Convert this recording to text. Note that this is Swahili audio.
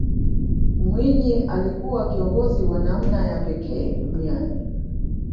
mwinyi alikuwa kiongozi wa namna ya pekee duniani